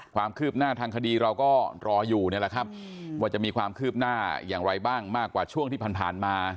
ความคืบหน้าทางคดีเราก็รออยู่นี่แหละครับว่าจะมีความคืบหน้าอย่างไรบ้างมากกว่าช่วงที่ผ่านมา